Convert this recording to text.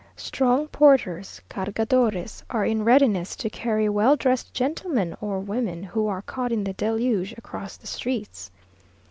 Strong porters (cargadores) are in readiness to carry well dressed gentlemen or women who are caught in the deluge, across the streets.